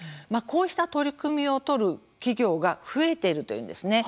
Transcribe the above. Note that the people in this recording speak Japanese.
こうした取り組みを取る企業が増えているというんですね。